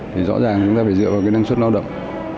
thì rõ ràng chúng ta phải dựa vào cái năng suất lao động